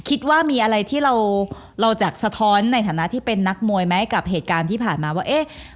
คิดว่ามีอะไรที่เราเราจะสะท้อนในฐานะที่เป็นนักมวยไหมกับเหตุการณ์ที่ผ่านมาว่าเอ๊ะ